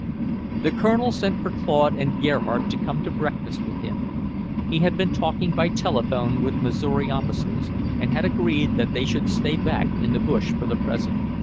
The Colonel sent for Claude and Gerhardt to come to breakfast with him. He had been talking by telephone with the Missouri officers and had agreed that they should stay back in the bush for the present.